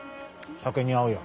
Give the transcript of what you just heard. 酒に合うよ。